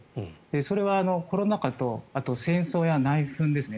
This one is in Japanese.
それはコロナ禍とあと、戦争や内紛ですね。